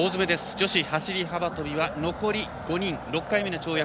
女子走り幅跳びは残り５人、６回目の跳躍。